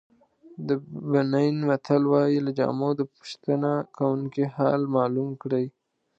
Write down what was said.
د بنین متل وایي له جامو د پوښتنه کوونکي حال معلوم کړئ.